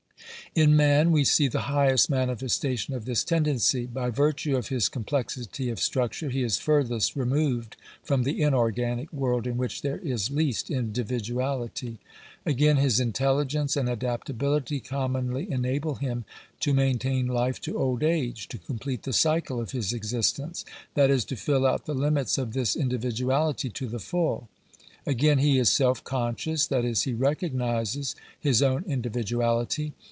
In man we see the highest manifestation of this tendency. By virtue of his complexity of structure, he is furthest removed from the inorganic world in which there is least individuality. Again, his intelligence and adaptability commonly enable him to maintain life to old age — to complete the cycle of his existence ; that is, to fill out the limits of this individuality to the fall. Again, he is self conscious; that is, he recognizes his own individuality.